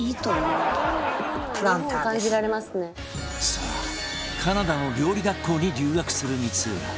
さあカナダの料理学校に留学する光浦